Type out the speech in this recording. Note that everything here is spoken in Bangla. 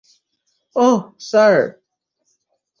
ওহ, স্যার!